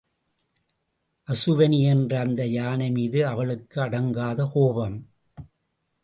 அசுவனி என்ற அந்த யானை மீது அவளுக்கு அடங்காத கோபம்.